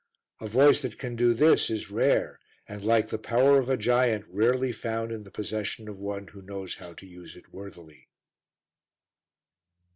A voice that can do this is rare and, like the power of a giant, rarely found in the possession of one who knows how to use it worthily.